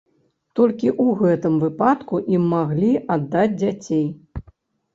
Толькі ў гэтым выпадку ім маглі аддаць дзяцей.